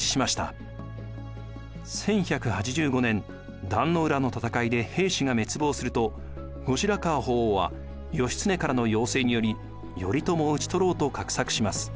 １１８５年壇の浦の戦いで平氏が滅亡すると後白河法皇は義経からの要請により頼朝を討ち取ろうと画策します。